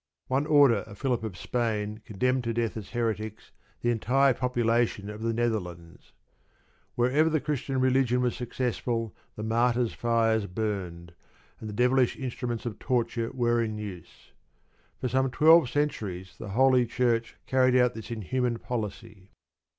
One order of Philip of Spain condemned to death as "heretics" the entire population of the Netherlands. Wherever the Christian religion was successful the martyrs' fires burned, and the devilish instruments of torture were in use. For some twelve centuries the Holy Church carried out this inhuman policy.